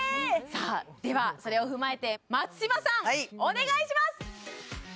さあではそれを踏まえて松嶋さんお願いします！